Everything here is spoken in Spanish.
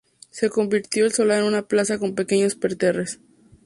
Se convirtió el solar en una plaza con pequeños parterres.